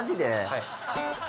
はい。